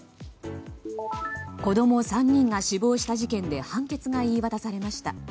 子供３人が死亡した事件で判決が言い渡されました。